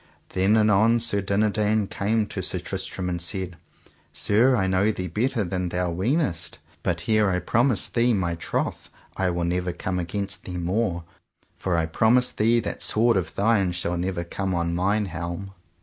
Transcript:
Then anon Sir Dinadan came to Sir Tristram and said: Sir, I know thee better than thou weenest; but here I promise thee my troth I will never come against thee more, for I promise thee that sword of thine shall never come on mine helm.